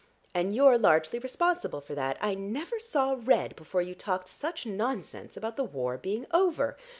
And you're largely responsible for that; I never saw red before you talked such nonsense about the war being over.